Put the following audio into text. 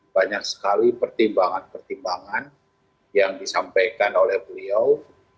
banyak sekali pertimbangan pertimbangan yang disampaikan oleh beliau